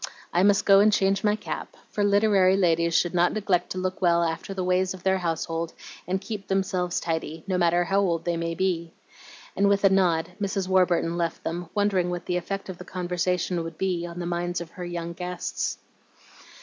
I must go and change my cap, for literary ladies should not neglect to look well after the ways of their household and keep themseves tidy, no matter how old they may be." And with a nod Mrs. Warburton left them, wondering what the effect of the conversation would be on the minds of her young guests.